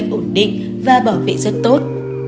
thù dâm đúng cách ổn định và bảo vệ rất tốt